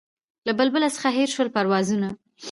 له بلبله څخه هېر سول پروازونه